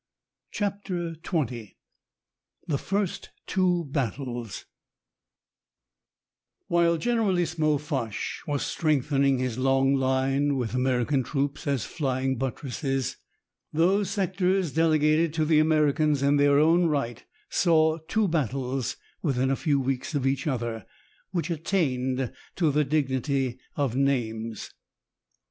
CHAPTER XX THE FIRST TWO BATTLES While Generalissimo Foch was strengthening his long line, with American troops as flying buttresses, those sectors delegated to the Americans in their own right saw two battles, within a few weeks of each other, which attained to the dignity of names.